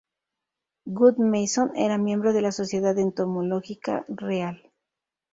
Wood-Mason era miembro de la Sociedad Entomológica Real.